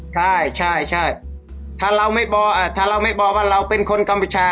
ใช่ใช่ถ้าเราไม่บอกถ้าเราไม่บอกว่าเราเป็นคนกัมพูชา